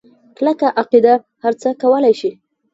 کلکه عقیده هرڅه کولی شي.